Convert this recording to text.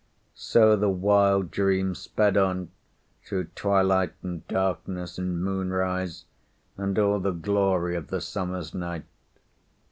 So the wild dream sped on through twilight and darkness and moonrise, and all the glory of the summer's night.